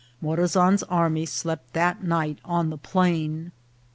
Morazan's army slept that night on the plain.